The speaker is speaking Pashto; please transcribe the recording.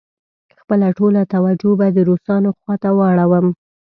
خپله ټوله توجه به د روسانو خواته واړوم.